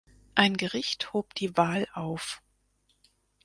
Ein Gericht hob die Wahl auf.